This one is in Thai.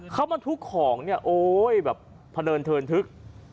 เข้ามาทุกของเนี่ยโอ้ยแบบเผลินเทินทึก